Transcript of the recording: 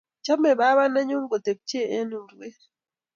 cheme babanenyu kotebche eng urwet